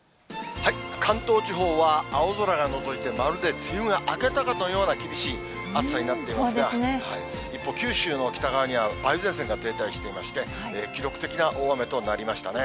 関東地方は青空がのぞいて、まるで梅雨が明けたかのような厳しい暑さになっていますが、一方、九州の北側には梅雨前線が停滞していまして、記録的な大雨となりましたね。